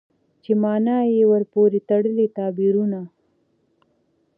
چې مانا يې ورپورې تړلي تعبيرونه